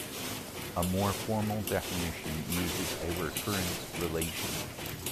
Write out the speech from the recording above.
A more formal definition uses a recurrence relation.